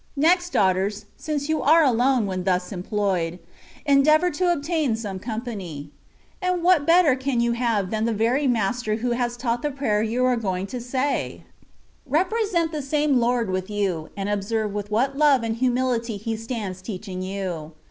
Next, daughters, since you are alone (when thus employed), endeavour to obtain some company. And what better can you have than the very Mas ter who has taught the prayer you are going to * That is^ the relation of her Life. 124 THE WAY OF PERFECTION, say? Represent the same Lord with you, and observe with what love and humility He stands teaching you.